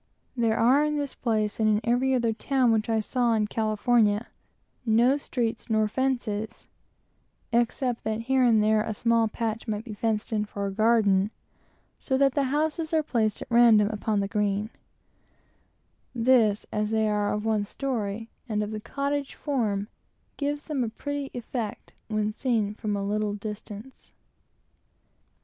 There are in this place, and in every other town which I saw in California, no streets, or fences, (except here and there a small patch was fenced in for a garden,) so that the houses are placed at random upon the green, which, as they are of one story and of the cottage form, gives them a pretty effect when seen from a little distance.